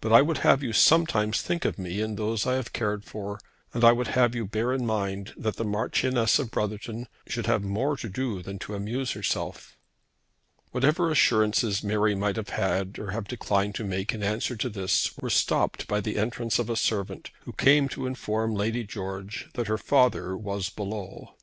But I would have you sometimes think of me and those I have cared for, and I would have you bear in mind that the Marchioness of Brotherton should have more to do than to amuse herself." Whatever assurances Mary might have made or have declined to make in answer to this were stopped by the entrance of a servant, who came to inform Lady George that her father was below.